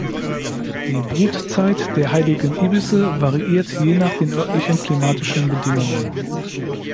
Die Brutzeit der Heiligen Ibisse variiert je nach den örtlichen klimatischen Bedingungen.